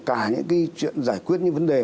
cả những cái chuyện giải quyết những vấn đề